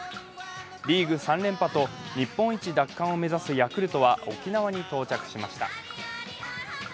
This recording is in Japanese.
リーグ３連覇と日本一奪還を目指すヤクルトは沖縄に到着しました。